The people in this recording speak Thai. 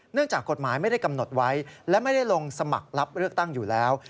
จากกฎหมายไม่ได้กำหนดไว้และไม่ได้ลงสมัครรับเลือกตั้งอยู่แล้ว